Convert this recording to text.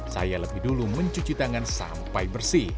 saya lebih dulu mencuci tangan sampai bersih